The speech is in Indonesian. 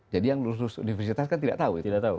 jadi yang lulus lulus universitas kan tidak tahu